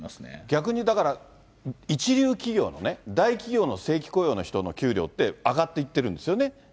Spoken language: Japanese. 逆にだから、一流企業のね、大企業の正規雇用の人の給料って、上がっていってるんですよね。